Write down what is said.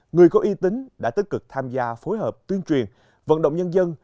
người có y tính đã tích cực tham gia phối hợp tuyên truyền vận động nhân dân